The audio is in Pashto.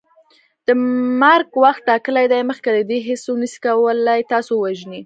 د مرګ وخت ټاکلی دی مخکي له دې هیڅوک نسي کولی تاسو ووژني